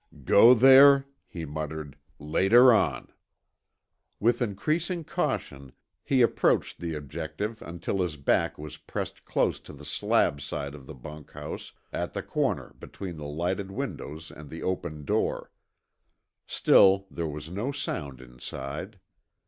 "Go there," he muttered, "later on." With increasing caution, he approached the objective until his back was pressed close to the slab side of the bunkhouse at the corner between the lighted windows and the open door. Still there was no sound inside.